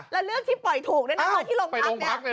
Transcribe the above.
แล้วเรื่องที่ปล่อยถูกด้วยนะที่ลงพัก